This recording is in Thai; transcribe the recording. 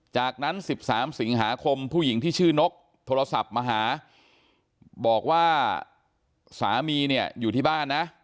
จากนั้น๑๓สิงหาคมผู้หญิงที่ชื่อนกโทรศัพท์มาหาบอกว่าสามีเนี่ยอยู่ที่บ้านนะ